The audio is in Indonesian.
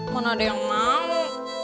mana ada yang mau